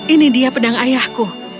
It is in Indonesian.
ini dia pedang ayahku